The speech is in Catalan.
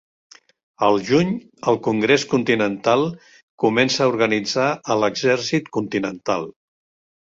Al juny, el Congrés Continental comença a organitzar a l'Exèrcit Continental.